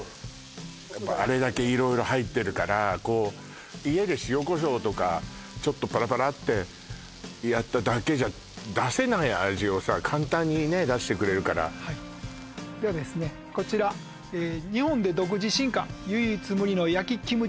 あれだけ色々入ってるから家で塩コショウとかちょっとパラパラってやっただけじゃ出せない味をさ簡単にね出してくれるからではですねこちらを紹介します